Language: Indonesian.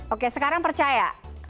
oke sekarang percaya